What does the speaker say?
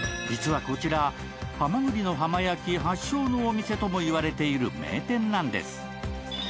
実はこちら、はまぐりの浜焼発祥のお店とも言われている名店なんです。